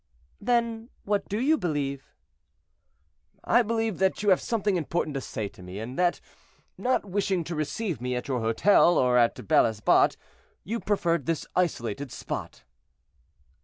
"Then what do you believe?" "I believe that you have something important to say to me, and that, not wishing to receive me at your hotel, or at Bel Esbat, you preferred this isolated spot."